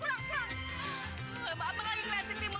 huu ampun nda